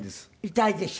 痛いでしょ。